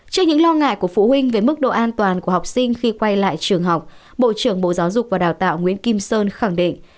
trước những lo ngại của phụ huynh về mức độ an toàn của học sinh khi quay lại trường học bộ trưởng bộ giáo dục và đào tạo nguyễn kim sơn khẳng định